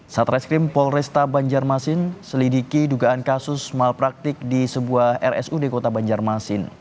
satreskrim polresta banjarmasin selidiki dugaan kasus malpraktik di sebuah rsud kota banjarmasin